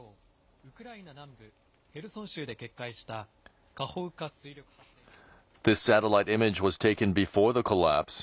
ウクライナ南部ヘルソン州で決壊したカホウカ水力発電所のダム。